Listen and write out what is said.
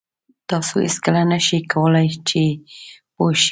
تاسو هېڅکله نه شئ کولای چې پوه شئ.